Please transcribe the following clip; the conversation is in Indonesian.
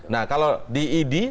nah kalau di idi